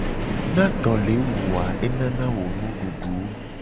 Ne ado le wu wo a enana wo nududu.